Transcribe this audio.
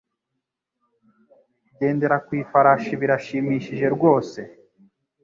Kugendera ku ifarashi birashimishije rwose.